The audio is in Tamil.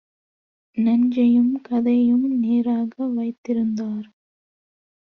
நெஞ்சையும் காதையும் நேராக வைத்திருந்தார்: